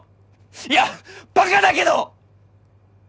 いやバカだけど！